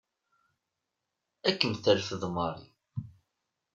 Ad kem-terfed Mary.